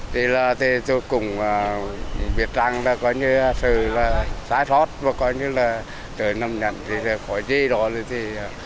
thế tôi cũng biết rằng là có như là xã thoát có như là trời nằm nhặt khỏi gì đó rồi thì